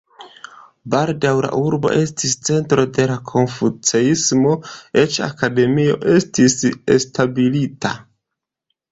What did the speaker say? Baldaŭ la urbo estis centro de la konfuceismo, eĉ akademio estis establita.